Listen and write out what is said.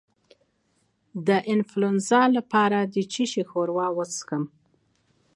د انفلونزا لپاره د څه شي ښوروا وڅښم؟